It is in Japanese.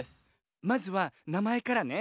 まずはなまえからね。